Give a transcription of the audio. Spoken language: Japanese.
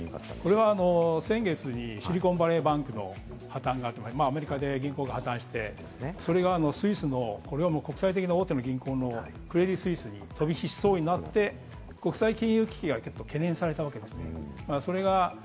これは先月にシリコンバレーバンクの破綻があって、それがスイスの国際的な大手の銀行、クレディ・スイスに飛び火しそうになって、国際金融危機が懸念されたわけです。